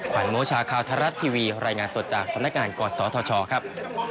วันโมชาข่าวไทยรัฐทีวีรายงานสดจากสำนักงานกศธชครับ